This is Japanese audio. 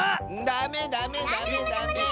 ダメダメダメダメ！